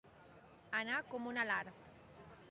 Anar com un alarb.